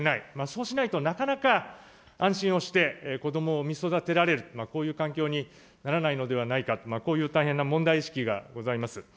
そうしないと、なかなか安心をして子どもを産み育てられる、こういう環境にならないのではないかと、こういう大変な問題意識がございます。